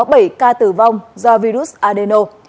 một trẻ tử vong do virus adeno